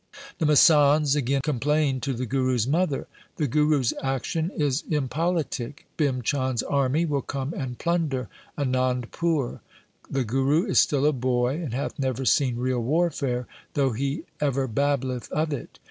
The masands again complained to the Guru's mother :' The Guru's action is impolitic. Bhim Chand's army will come and plunder Anandpur. The Guru is still a boy and hath never seen real warfare, though he ever babbleth of it.